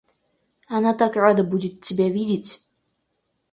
Она так рада будет тебя видеть.